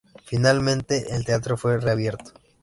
Finalmente, el teatro fue reabierto.